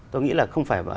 tôi nghĩ là không phải